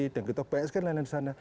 banyak sekali lain lain di sana